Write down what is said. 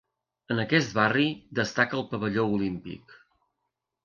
En aquest barri destaca el Pavelló Olímpic.